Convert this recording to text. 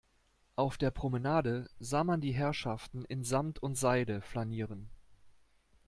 Auf der Promenade sah man die Herrschaften in Samt und Seide flanieren.